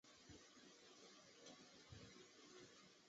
毕业于寿春中学男学生陶汝坤。